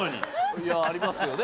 いやありますよね。